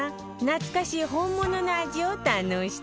懐かしい本物の味を堪能して！